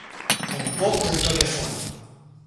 El pop d'Antònia Font.